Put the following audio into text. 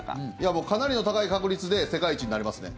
もうかなりの高い確率で世界一になれますね。